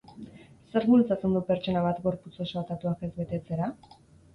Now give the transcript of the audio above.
Zerk bultzatzen du pertsona bat gorputz osoa tatuajez betetzera?